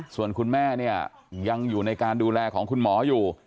ส่วนคุณแม่เนี่ยยังอยู่ในการดูแลของคุณหมออยู่